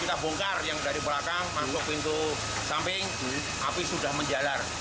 kita bongkar yang dari belakang mangrove pintu samping api sudah menjalar